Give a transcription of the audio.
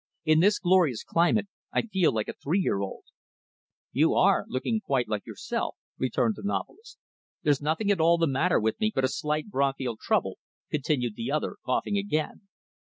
In this glorious climate, I feel like a three year old." "You are looking quite like yourself," returned the novelist. "There's nothing at all the matter with me but a slight bronchial trouble," continued the other, coughing again.